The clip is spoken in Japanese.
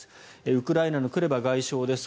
ウクライナのクレバ外相です。